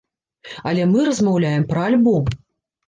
Але мы размаўляем пра альбом!